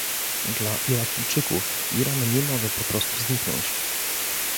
Dla Irakijczyków Iran nie może po prostu zniknąć